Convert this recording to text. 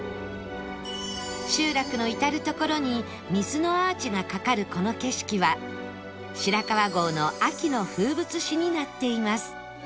集落の至る所に水のアーチがかかるこの景色は白川郷の秋の風物詩になっています